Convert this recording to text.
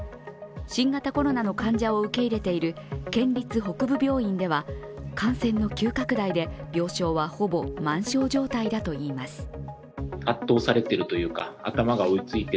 新型コロナの患者を受け入れている県立北部病院では、感染の急拡大で病床はほぼ満床状態だといいます。